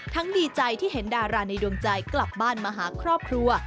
ดีใจที่เห็นดาราในดวงใจกลับบ้านมาหาครอบครัว